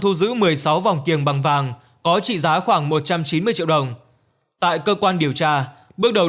thu giữ một mươi sáu vòng kiềng bằng vàng có trị giá khoảng một trăm chín mươi triệu đồng tại cơ quan điều tra bước đầu